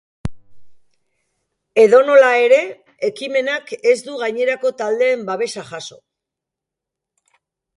Edonola ere, ekimenak ez du gainerako taldeen babesa jaso.